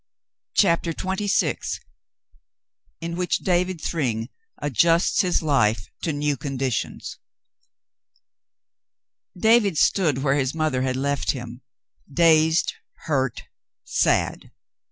CHAPTER XXVI IN WHICH DAVID THRYNG ADJUSTS HIS LIFE TO NEW CONDITIONS David stood where his mother had left him, dazed, hurt, sad.